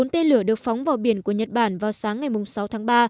bốn tên lửa được phóng vào biển của nhật bản vào sáng ngày sáu tháng ba